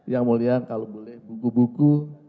yang mulia kalau boleh buku buku